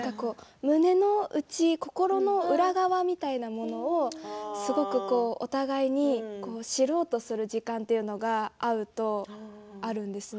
胸の内、心の裏側みたいなものをすごくお互いに知ろうとする時間というのが、会うとあるんですね